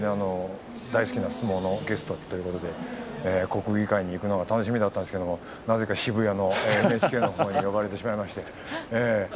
大好きな相撲のゲストということで国技館に行くのが楽しみだったんですがなぜか渋谷のＮＨＫに呼ばれてしまいまして。